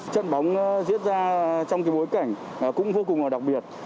trận bóng diễn ra trong bối cảnh cũng vô cùng đặc biệt